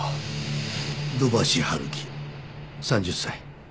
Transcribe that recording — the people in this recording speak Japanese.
土橋春樹３０歳。